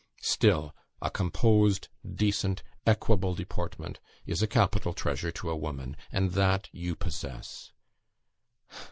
Still, a composed, decent, equable deportment is a capital treasure to a woman, and that you possess.